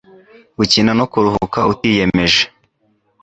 gukina no kuruhuka utiyemeje